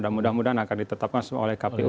dan mudah mudahan akan ditetapkan oleh kpu